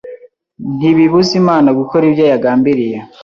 ntibibuza Imana gukora ibyo yagambiriye